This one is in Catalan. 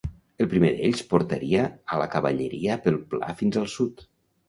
El primer d'ells portaria a la cavalleria pel pla fins al sud.